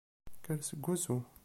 Kker seg usu!